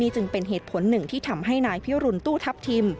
จึงเป็นเหตุผลหนึ่งที่ทำให้นายพิรุณตู้ทัพทิม